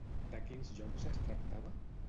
De quins llocs es tractava?